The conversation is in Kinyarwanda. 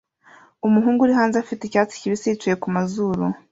Umuhungu uri hanze afite icyatsi kibisi yicaye kumazuru